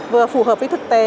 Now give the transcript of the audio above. vừa phù hợp với thực tế